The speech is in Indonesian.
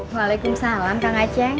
waalaikumsalam kang acing